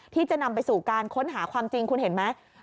ที่จะนำไปสู่การค้นหาความจริงคุณเห็นไหม